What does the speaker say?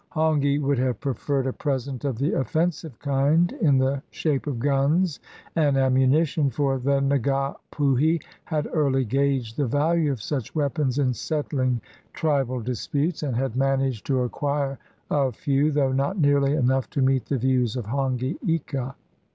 Hongi would have preferred a present of the offensive kind in the shape of guns and ammunition, for the Nga Puhi had early gauged the value of such weapons in settling tribal disputes, and had managed to acquire a few, though not nearly enough to meet the views of Hongi Ika.